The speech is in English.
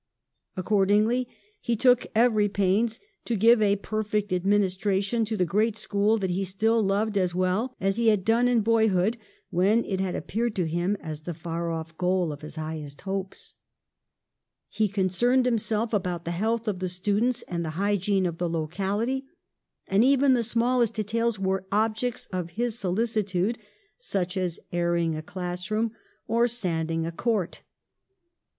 Accordingly he took every pains to give a perfect administration to the great school that he still loved as well as he had done in boyhood, when it had appeared to him as the far off goal of his highest hopes. He con cerned himself about the health of the stu dents and the hygiene of the locality, and even the smallest details were objects of his solici tude, such as airing a classroom or sanding a 58 PASTEUR court.